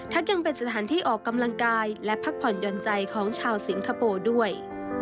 ยังเป็นสถานที่ออกกำลังกายและพักผ่อนหย่อนใจของชาวสิงคโปร์ด้วย